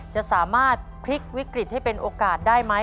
จะสามารถพลิกวิกฤตให้เป็นโอกาสได้ไหม